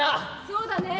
そうだね。